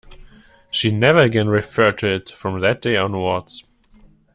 She never again referred to it, from that day onwards.